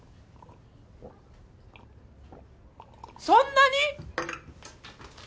そんなに！？